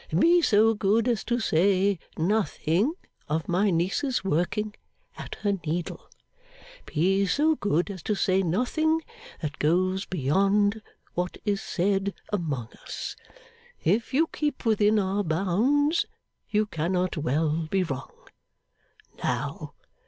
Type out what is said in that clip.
Be so good as to say nothing of my niece's working at her needle. Be so good as to say nothing that goes beyond what is said among us. If you keep within our bounds, you cannot well be wrong. Now!